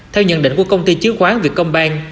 theo nhận định của công ty chứa khoán vietcombank